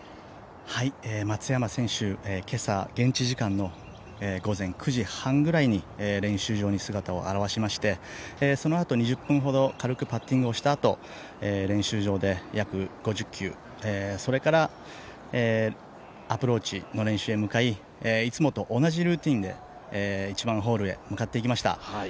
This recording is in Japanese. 松山選手、今朝現地時間の午前９時半くらいに練習場に姿を現しましてそのあと２０分ほど、軽くパッティングをしたあと練習場で約５０球、それからアプローチの練習へ向かい、いつもと同じルーティンで１番ホールへ向かっていきました。